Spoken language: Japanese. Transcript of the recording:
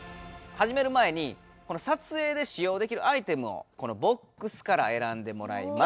はじめる前にこの撮影でし用できるアイテムをこのボックスからえらんでもらいます。